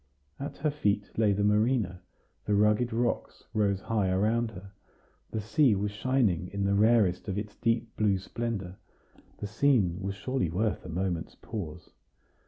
At her feet lay the marina; the rugged rocks rose high around her; the sea was shining in the rarest of its deep blue splendor. The scene was surely worth a moment's pause.